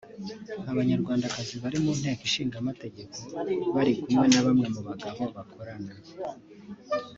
Abanyarwandakazi bari mu Nteko Ishinga Amategeko bari kumwe na bamwe mu bagabo bakorana